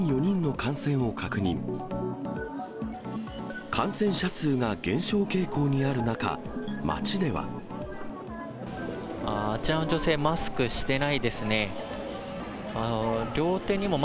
感染者数が減少傾向にある中、ああ、あちらの女性、マスクしてないですね。